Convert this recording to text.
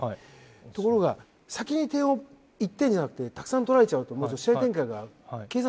ところが先に点を１点じゃなくてたくさん取られちゃうと試合展開が計算できなくなる。